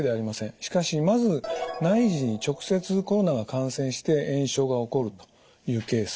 しかしまず内耳に直接コロナが感染して炎症が起こるというケース。